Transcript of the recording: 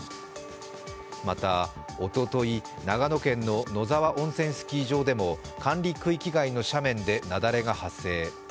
また、おととい、長野県の野沢温泉スキー場でも管理区域外の斜面で雪崩が発生。